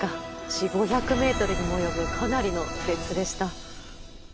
４００５００ｍにも及ぶかなりの列でした。